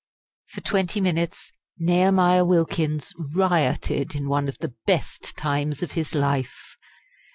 For twenty minutes Nehemiah Wilkins rioted in one of the best "times" of his life.